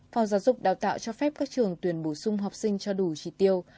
phòng giáo dục đào tạo cho phép các trường tuyển bổ sung học sinh cho đủ trị tiêu